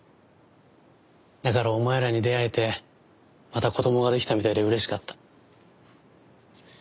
だからお前らに出会えてまた子供ができたみたいで嬉しかった。